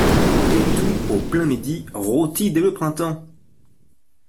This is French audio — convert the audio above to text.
Et tout au plein midi, rôti dès le printemps.